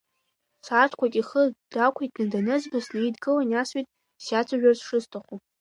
Сааҭқәак ихы дақәиҭны данызба, снаидгылан иасҳәеит сиацәажәарц шысҭаху.